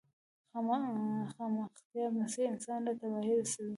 مخامختيا مسير انسان له تباهي رسوي.